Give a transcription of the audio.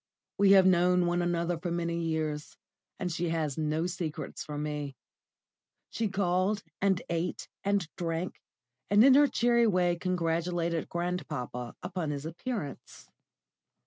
We have known one another for many years, and she has no secrets from me. She called, and ate, and drank, and, in her cheery way, congratulated grandpapa upon his appearance.